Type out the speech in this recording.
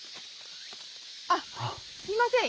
あっすみません。